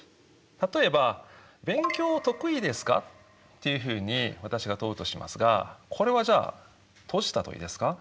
例えば「勉強得意ですか？」というふうに私が問うとしますがこれはじゃあ閉じた問いですか？